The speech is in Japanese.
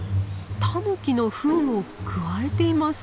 タヌキのフンをくわえています。